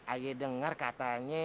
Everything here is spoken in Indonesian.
ayah denger katanya